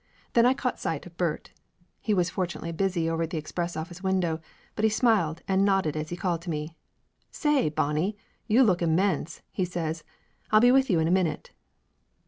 Then I caught sight of Bert. He was fortunately busy over at the express office window, but he smiled and nodded as he called out to me. "Say, Bonnie, you look immense!" he says. "I'll be with you in a minute!"